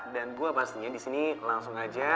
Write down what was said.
dan gue pastinya disini langsung aja